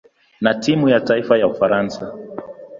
na timu ya kitaifa ya Ufaransa.